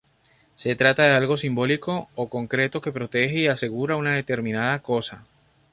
Se trata de algo simbólico o concreto que protege y asegura una determinada cosa.